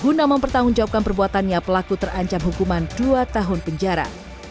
guna mempertanggungjawabkan perbuatannya pelaku terancam hukuman dua tahun penjara